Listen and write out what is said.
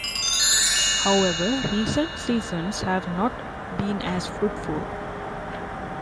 However recent seasons have not been as fruitful.